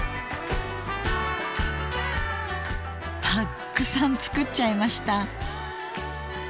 たっくさん作っちゃいました。